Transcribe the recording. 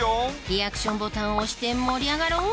リアクションボタンを押して盛り上がろう！